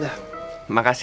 lu mau ke depan karin